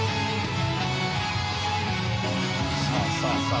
さあさあさあ